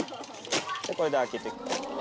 これで開けてく。